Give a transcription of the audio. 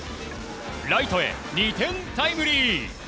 ライトへ２点タイムリー！